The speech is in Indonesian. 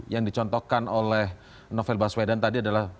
yang dicontohkan oleh novel baswedan tadi adalah